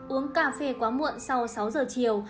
uống cà phê quá muộn sau sáu giờ chiều